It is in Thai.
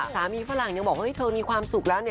ฝรั่งยังบอกว่าเธอมีความสุขแล้ว